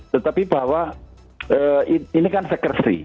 tetapi bahwa ini kan sekersy